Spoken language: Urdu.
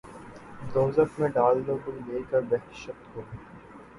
دوزخ میں ڈال دو‘ کوئی لے کر بہشت کو